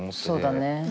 そうだね。